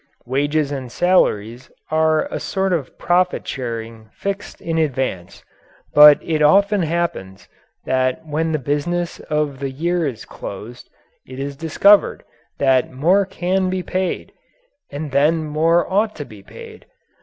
Wages and salaries are a sort of profit sharing fixed in advance, but it often happens that when the business of the year is closed, it is discovered that more can be paid. And then more ought to be paid.